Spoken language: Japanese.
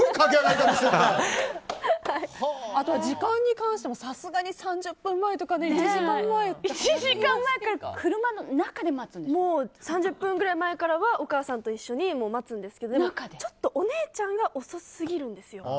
あと、時間に関してもさすがに３０分前とか１時間前から３０分前からお母さんと一緒に待つんですけどちょっと、お姉ちゃんが遅すぎるんです。